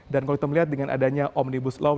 dan kalau kita melihat dengan adanya omnibus law